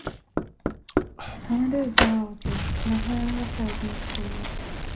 আমাদের যাওয়া উচিত, নাহয় আমরা ফ্লাইট মিস করব।